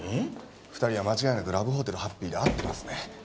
２人は間違いなくラブホテルハッピーで会ってますね。